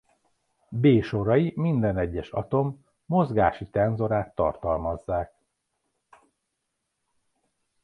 B sorai minden egyes atom mozgási tenzorát tartalmazzák.